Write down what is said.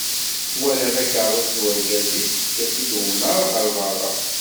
Twala takerrust n urgaz-is yefka-tt-id umnar ɣer berra.